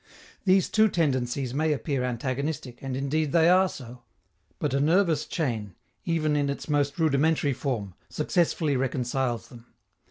These two tendencies may appear antagonistic, and indeed they are so; but a nervous chain, even in its most rudimentary form, successfully reconciles them.